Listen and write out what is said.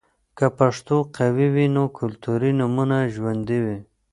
که پښتو قوي وي، نو کلتوري نمونه ژوندۍ وي.